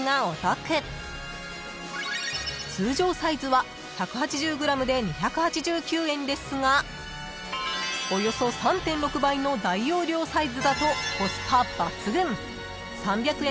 ［通常サイズは１８０ｇで２８９円ですがおよそ３．６倍の大容量サイズだとコスパ抜群３００円ほどお得です］